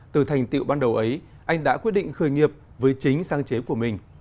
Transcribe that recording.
từ thành tiệu ban đầu ấy anh đã quyết định khởi nghiệp với chính sáng chế của mình